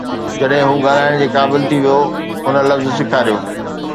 جڏهن هو ڳالهائڻ جي قابل ٿي ويو، هن لفظ سيکاريو